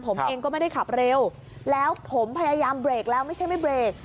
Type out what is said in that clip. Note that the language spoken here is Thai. ผมเองก็ไม่ได้ขับเร็วแล้วผมพยายามเบรกแล้วไม่ใช่ไม่เบรก